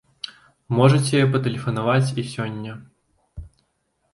Можаце патэлефанаваць і сёння.